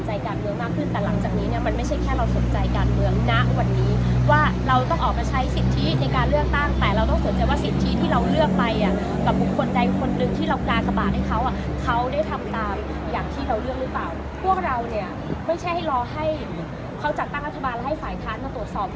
นะคะแล้วก็คือรับว่าแบบเหมือนหน้ามืดนะคะ